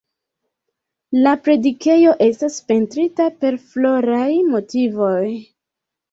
La predikejo estas pentrita per floraj motivoj.